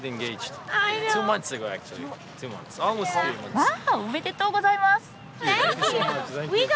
わおめでとうございます！